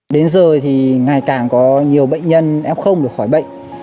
đến giờ thì ngày càng có nhiều bệnh nhân em không được khỏi bệnh